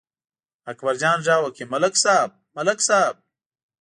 اکبرجان غږ وکړ: ملک صاحب، ملک صاحب!